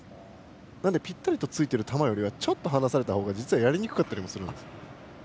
ぴったりとついてる球よりはちょっと離れているほうが実はやりにくかったりもするんです。